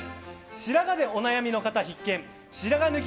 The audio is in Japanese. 白髪でお悩みの方必見白髪抜き